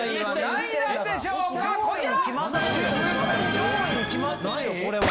上位に決まってるよこれは。